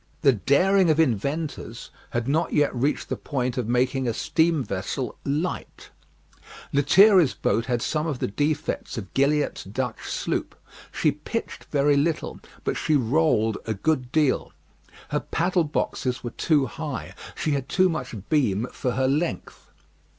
The daring of inventors had not yet reached the point of making a steam vessel light; Lethierry's boat had some of the defects of Gilliatt's Dutch sloop. She pitched very little, but she rolled a good deal. Her paddle boxes were too high. She had too much beam for her length.